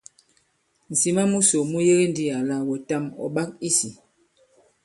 Ŋ̀sìma musò mu yege ndī àlà wɛ̀tàm ɔ̀ ɓak i sī.